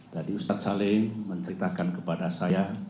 tadi ustaz salim menceritakan kepada saya